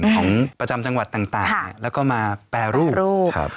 ของประจำจังหวัดต่างแล้วก็มาแปรรูป